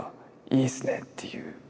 いいっすねっていう。